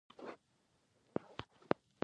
خر ډیر زوړ او کمزوری و.